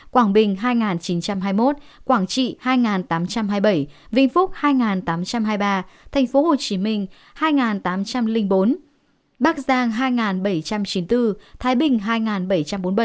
quảng bình hai chín trăm hai mươi một quảng trị hai tám trăm hai mươi bảy vĩnh phúc hai nghìn tám trăm hai mươi ba tp hcm hai tám trăm linh bốn bắc giang hai bảy trăm chín mươi bốn thái bình hai bảy trăm bốn mươi bảy